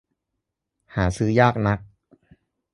หาซื้อยากนัก